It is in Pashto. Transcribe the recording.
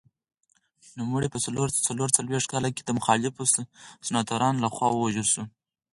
نوموړی په څلور څلوېښت کال کې د مخالفو سناتورانو لخوا ووژل شو.